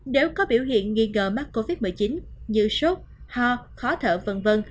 nếu có biểu hiện nghi ngờ mắc covid một mươi chín như sốt ho khó thở v v